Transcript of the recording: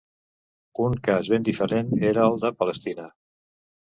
Un cas ben diferent era el de Palestina.